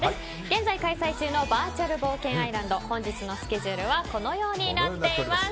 現在開催中のバーチャル冒険アイランド本日のスケジュールはこのようになっています。